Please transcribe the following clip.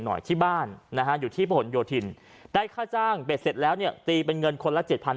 หน่อยที่บ้านนะอยู่ที่ผลโยธินแรกค่าจ้างเป็นเสร็จแล้วเนี่ยตีไปเงินคนละ